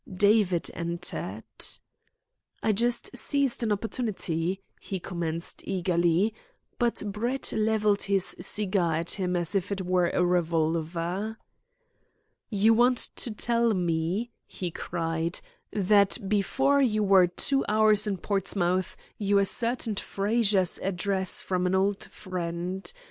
David entered. "I just seized an opportunity " he commenced eagerly, but Brett levelled his cigar at him as if it were a revolver. "You want to tell me," he cried, "that before you were two hours in Portsmouth you ascertained Frazer's address from an old friend.